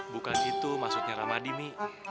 bukan itu maksudnya ramadi mi